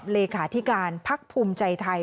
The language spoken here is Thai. เลขาธิการพักภูมิใจไทย